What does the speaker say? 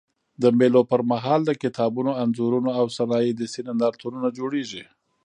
د مېلو پر مهال د کتابونو، انځورونو او صنایع دستي نندارتونونه جوړېږي.